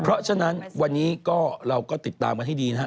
เพราะฉะนั้นวันนี้ก็เราก็ติดตามกันให้ดีนะฮะ